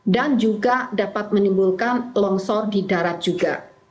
dan juga dapat menimbulkan longsor di darat juga